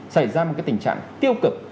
xảy ra một cái tình trạng tiêu cực